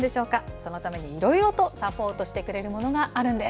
そのためにいろいろとサポートしてくれるものがあるんです。